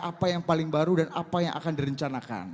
apa yang paling baru dan apa yang akan direncanakan